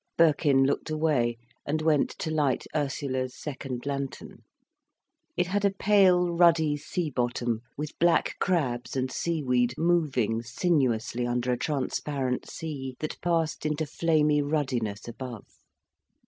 Birkin looked away, and went to light Ursula's second lantern. It had a pale ruddy sea bottom, with black crabs and sea weed moving sinuously under a transparent sea, that passed into flamy ruddiness above.